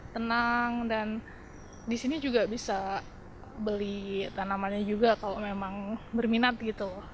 tenang dan disini juga bisa beli tanamannya juga kalau memang berminat gitu